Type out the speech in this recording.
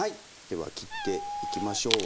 では切っていきましょう。